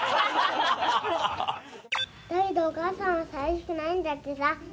だけどお母さんは寂しくないんだってさ。